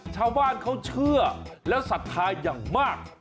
ชาวบ้านเขาเชื่อและศรัทธาอย่างมาก